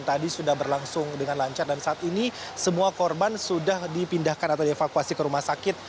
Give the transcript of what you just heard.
tadi sudah berlangsung dengan lancar dan saat ini semua korban sudah dipindahkan atau dievakuasi ke rumah sakit